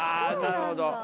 あなるほど。